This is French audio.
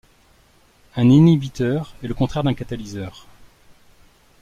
Un inhibiteur est le contraire d'un catalyseur.